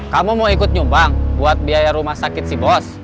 kamu mau ikut nyumbang buat biaya rumah sakit si bos